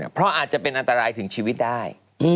เพราะอาจจะเป็นอันตรายถึงชีวิตได้